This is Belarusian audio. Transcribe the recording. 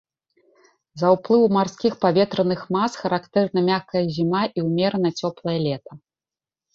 З-за ўплыву марскіх паветраных мас характэрна мяккая зіма і ўмерана цёплае лета.